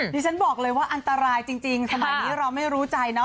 ดิฉันบอกเลยว่าอันตรายจริงสมัยนี้เราไม่รู้ใจเนาะ